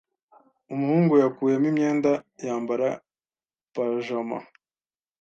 Umuhungu yakuyemo imyenda yambara pajama.